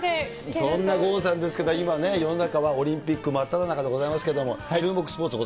そんな郷さんですけど、今ね、世の中はオリンピック真っただ中でございますけれども、注目スポ